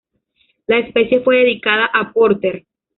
La especie fue dedicada a Porter.